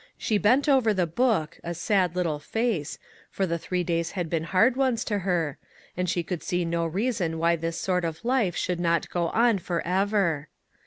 She bent over the book, a sad little face, for the three days had been hard ones to her, and she could see no reason why this sort of life should not go on forever.